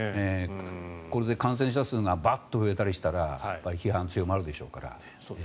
これで感染者数がばっと増えたりしたら批判が強まるでしょうから。